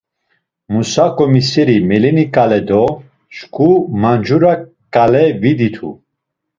Musa ǩomiseri meleni ǩale do şǩu mancura ǩale viditu.